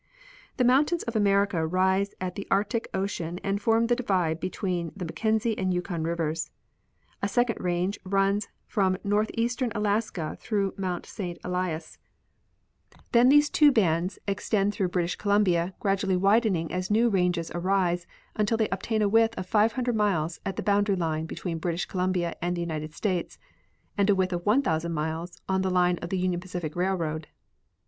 The mountains of America rise at the Arctic ocean and form the divide between the Mackenzie and Yukon rivers. A second range runs from northeastern Alaska through Mount Saint Elias. Longest Mountain Ranges of the World. 121 Then these two bands extend through British Columbia, gradu ally Avidening as new ranges arise until they obtain a width of 500 miles at the boundary line between British Columbia and the United States, and a width of 1,000 miles on the line of the Union Pacific railroad.